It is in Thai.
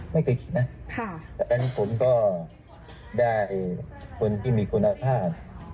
ไม่เคยคิดนะแต่ฉะนั้นผมก็ได้คนที่มีคุณภาพ